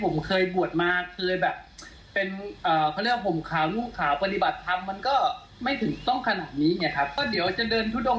ประท้อนความคิดเห็นแล้วก็ใส่ความเอ๊ะหลายคนที่อยากจะพูด